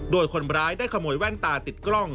โดยคนร้ายได้ขโมยแว่นตาติดกล้อง